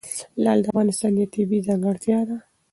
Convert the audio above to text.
لعل د افغانستان یوه طبیعي ځانګړتیا ده.